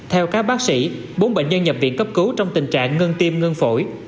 theo các bác sĩ bốn bệnh nhân nhập viện cấp cứu trong tình trạng ngân tim ngân phổi